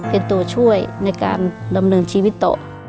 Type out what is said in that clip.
เป็นตัวช่วยในการดำเนินชีวิตต่อ